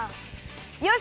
よし！